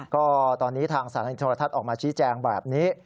ก็ตอนนี้ทางสถานีโทรทัศน์ออกมาชี้แจงแบบนี้